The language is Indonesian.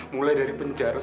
mulai dari penjara